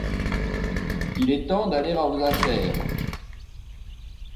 Il est temps d'aller à vos affaires.